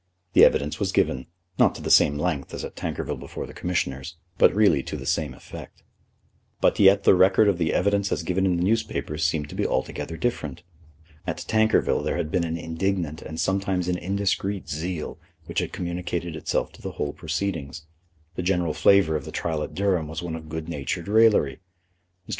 The evidence was given, not to the same length as at Tankerville before the Commissioners, but really to the same effect. But yet the record of the evidence as given in the newspapers seemed to be altogether different. At Tankerville there had been an indignant and sometimes an indiscreet zeal which had communicated itself to the whole proceedings. The general flavour of the trial at Durham was one of good humoured raillery. Mr.